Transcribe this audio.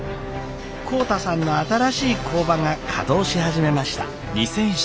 浩太さんの新しい工場が稼働し始めました。